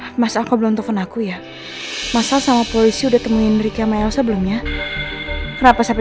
hai mas aku belum telfon aku ya masalah sama polisi udah temuin rika mayosa belumnya kenapa sampai